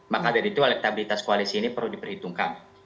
maka dari itu elektabilitas koalisi ini perlu diperhitungkan